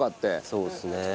そうですね。